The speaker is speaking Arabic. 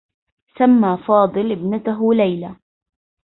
سمّى فاضل إبنته ليلى.